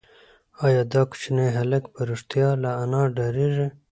ایا دا کوچنی هلک په رښتیا له انا ډارېږي؟